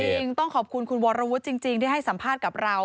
จริงต้องขอบคุณคุณวรวุฒิจริงที่ให้สัมภาษณ์กับเรา